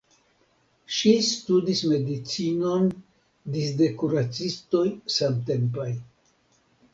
Ŝi studis medicinon disde kuracistoj samtempaj.